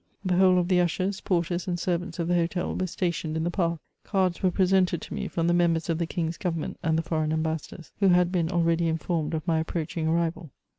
The whole of the ushers, porters, and servants of the hotel were stationed in the path. Cards were presented to me from the members of the king's government and the foreign ambassadors, who had been already informed of my approaching arrival.